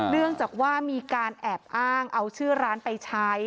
เนื่องจากว่ามีการแอบอ้างเอาชื่อร้านไปใช้